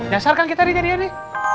dasarkan kita di jari jari